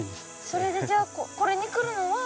それでじゃあこれに来るのは？